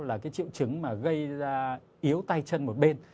là cái triệu chứng mà gây ra yếu tay chân một bên